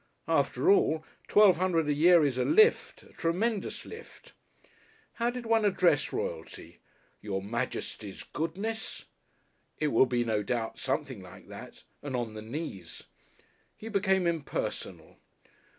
After all, twelve hundred a year is a lift, a tremendous lift. How did one address Royalty? "Your Majesty's Goodness," it will be, no doubt something like that and on the knees. He became impersonal.